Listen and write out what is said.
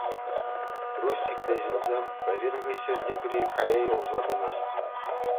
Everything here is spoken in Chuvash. Труҫҫиклӗ ҫынсем пӗрин хыҫҫӑн тепри кая юлса пынӑ.